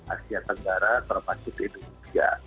asia tenggara termasuk indonesia